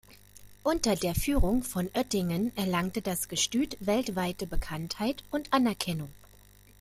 Unter der Führung von Oettingen erlangte das Gestüt weltweite Bekanntheit und Anerkennung.